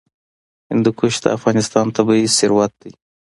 هندوکش د افغانستان طبعي ثروت دی.